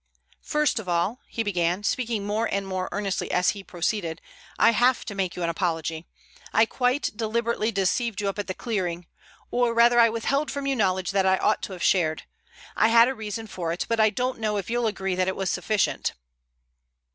"First of all," he began, speaking more and more earnestly as he proceeded, "I have to make you an apology. I quite deliberately deceived you up at the clearing, or rather I withheld from you knowledge that I ought to have shared. I had a reason for it, but I don't know if you'll agree that it was sufficient."